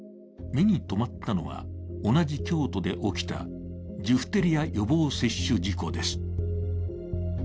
目にとまったのは、同じ京都で起きたジフテリア予防接種事故です。